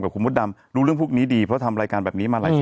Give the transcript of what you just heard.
คุณมดดำรู้เรื่องพวกนี้ดีเพราะทำรายการแบบนี้มาหลายคน